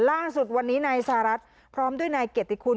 ล่าสุดวันนี้นายสหรัฐพร้อมด้วยนายเกียรติคุณ